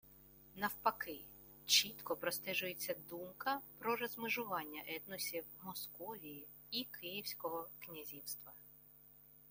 Навпаки – чітко простежується думка про розмежування етносів Московії і Київського князівства